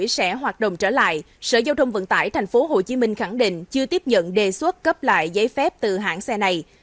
sở giao thông vận tải tp hcm khẳng định chưa tiếp nhận đề xuất cấp lại giấy phép từ hãng xe này